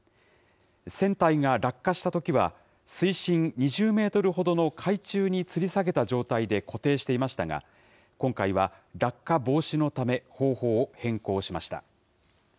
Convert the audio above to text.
船体が落下したときは、水深２０メートルほどの海中につり下げた状態で固定していましたが、今回は落下防止のため、方法を変更しました。